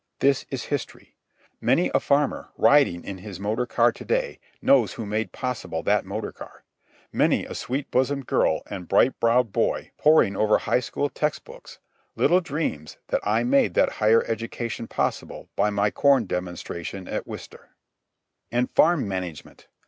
This is history. Many a farmer, riding in his motor car to day, knows who made possible that motor car. Many a sweet bosomed girl and bright browed boy, poring over high school text books, little dreams that I made that higher education possible by my corn demonstration at Wistar. And farm management!